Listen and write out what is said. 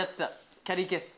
キャリーケース。